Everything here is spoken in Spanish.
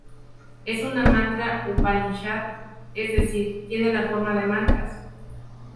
Es una "mantra-upanishad", es decir, tiene la forma de mantras.